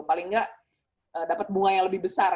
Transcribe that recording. paling nggak dapat bunga yang lebih besar